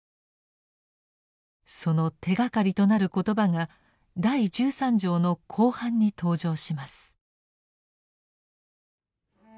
その手がかりとなる言葉が第十三条の後半に登場します。